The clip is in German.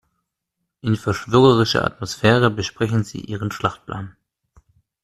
In verschwörerischer Atmosphäre besprechen sie ihren Schlachtplan.